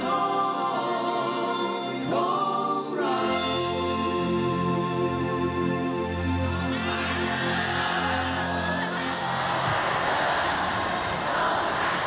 โลกแขกเตอร์โลกแขกเตอร์โลกแขกเตอร์